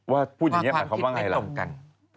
ว่าความคิดไม่ตรงกัน